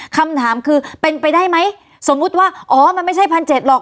คำถามคือเป็นไปได้ไหมสมมุติว่าอ๋อมันไม่ใช่พันเจ็ดหรอก